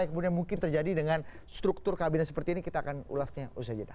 yang kemudian mungkin terjadi dengan struktur kabinet seperti ini kita akan ulasnya usai jeda